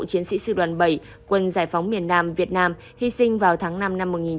chiến sĩ sư đoàn bảy quân giải phóng miền nam việt nam hy sinh vào tháng năm năm một nghìn chín trăm bảy mươi